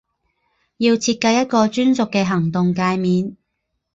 要设计一个专属的行动介面